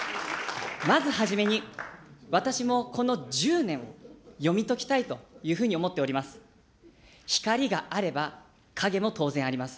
まずはじめに、私もこの１０年を読み解きたいというふうに思っております。